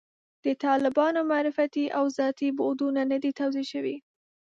د طالبانو معرفتي او ذاتي بعدونه نه دي توضیح شوي.